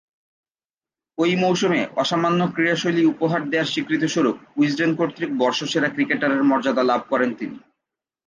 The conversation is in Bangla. ঐ মৌসুমে অসামান্য ক্রীড়াশৈলী উপহার দেয়ার স্বীকৃতিস্বরূপ উইজডেন কর্তৃক বর্ষসেরা ক্রিকেটারের মর্যাদা লাভ করেন তিনি।